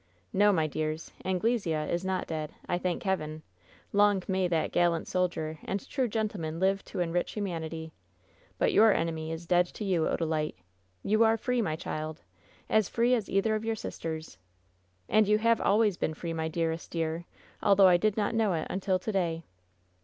"No, my dears, Anglesea is not dead, I thank Heaven! Long may that gallant soldier and true gentleman live to enrich humanity! But your enemy is dead to you, 88 WHEN SHADOWS DIE Odalite! You are free, my child! As free as either of your sisters ! And you have always been free, my dear est dear, although I did not know it until to day."